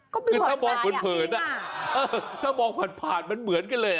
ก็เป็นเหมือนกันจริงคือถ้ามองผ่านมันเหมือนกันเลย